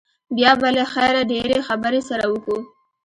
بيا به له خيره ډېرې خبرې سره وکو.